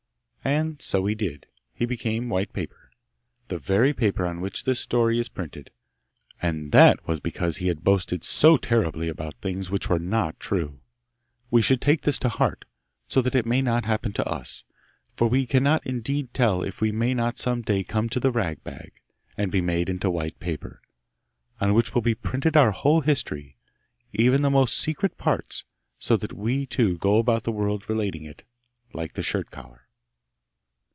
And so he did! he became white paper, the very paper on which this story is printed. And that was because he had boasted so terribly about things which were not true. We should take this to heart, so that it may not happen to us, for we cannot indeed tell if we may not some day come to the rag bag, and be made into white paper, on which will be printed our whole history, even the most secret parts, so that we too go about the world relating it, like the shirt collar.